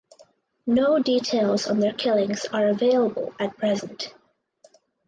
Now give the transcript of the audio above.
No details on their killings are available at present.